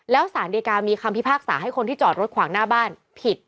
แล้วสารดีกามีคำพิพากษาให้คนที่จอดรถขวางหน้าบ้านผิด